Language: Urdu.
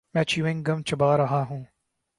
میں چیوینگ گم چبا رہا ہوں۔